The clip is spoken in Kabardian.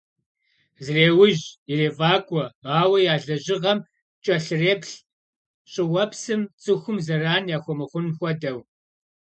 Зреужь, ирефӀакӀуэ, ауэ я лэжьыгъэм кӀэлъреплъ, щӀыуэпсым, цӀыхум зэран яхуэмыхъун хуэдэу.